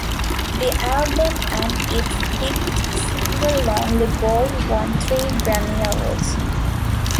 The album and its hit single "Lonely Boy" won three Grammy Awards.